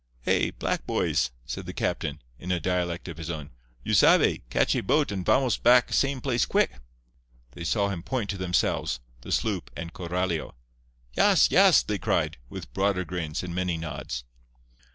"Hey! black boys!" said the captain, in a dialect of his own; "you sabe, catchy boat and vamos back same place quick." They saw him point to themselves, the sloop and Coralio. "Yas, yas!" they cried, with broader grins and many nods.